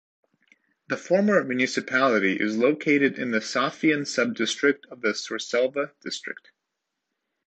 The former municipality is located in the Safien sub-district of the Surselva district.